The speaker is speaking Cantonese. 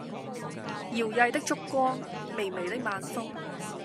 搖曳的燭光、微微的晚風